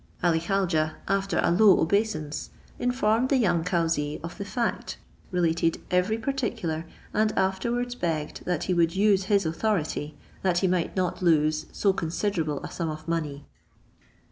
Ali Khaujeh after a low obeisance, informed the young cauzee of the fact, related every particular, and afterwards begged that he would use his authority, that he might not lose so considerable a sum of money.